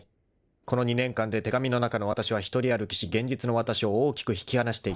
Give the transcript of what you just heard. ［この２年間で手紙の中のわたしは独り歩きし現実のわたしを大きく引き離していた］